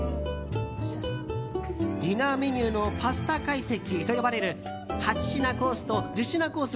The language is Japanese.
ディナーメニューのＰａｓｔａ懐石と呼ばれる８品コースと１０品コース